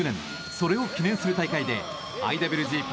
それを記念する大会でＩＷＧＰ